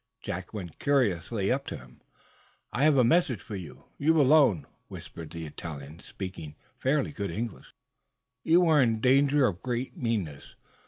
Jack went curiously up to him. "I have message for you you alone," whispered the Italian, speaking fairly good English. "You are in danger of great meanness.